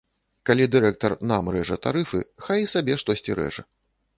Калі дырэктар нам рэжа тарыфы, хай і сабе штосьці рэжа.